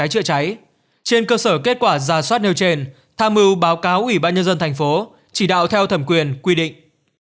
trên cơ sở kết quả giả soát nêu trên tham ưu báo cáo ủy ban nhân dân thành phố chỉ đạo theo thẩm quyền quy định